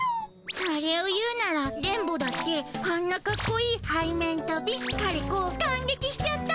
それを言うなら電ボだってあんなかっこいいはい面とび枯れ子感げきしちゃった。